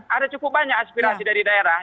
ada cukup banyak aspirasi dari daerah